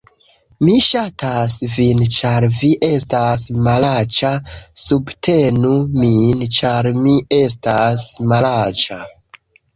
Mi ŝatas vin ĉar vi estas malaĉa subtenu min ĉar mi estas malaĉa